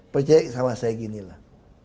percaya sama saya ginilah